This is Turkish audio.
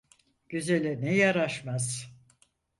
Güzele ne yaraşmaz.